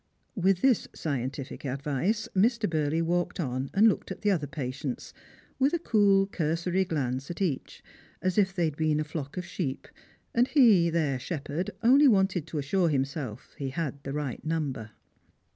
With this scientific advice Mr. Burley walked on and looked at the other patients, with a cool cursory glance at each ; as if they had been a flock of sheep, and he, their shepherd, only wanted to assure himself he had the right number.